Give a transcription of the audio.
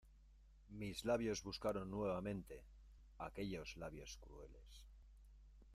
mis labios buscaron nuevamente aquellos labios crueles.